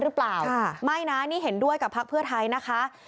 หรือเปล่าไม่นะนี่เห็นด้วยกับพักเพื่อไทยนะคะ